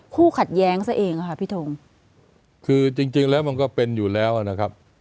คู่ขัดแย้งซะเองอะค่ะพี่ทงคือจริงจริงแล้วมันก็เป็นอยู่แล้วนะครับ